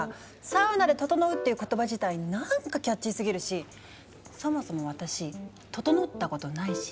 「サウナでととのう」っていう言葉自体なんかキャッチーすぎるしそもそも私ととのったことないし。